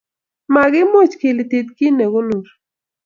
Ma kimuchi kilitit kiit ne kunuur.